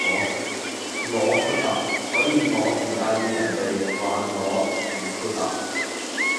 我豁達，所以我唔介意人地話我唔豁達